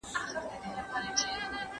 زه دورېش بیرته د ځان په طرف باندي